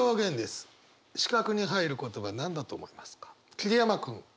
桐山君。